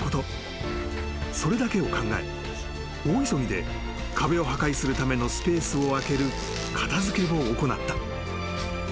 それだけを考え大急ぎで壁を破壊するためのスペースを空ける片付けを行った］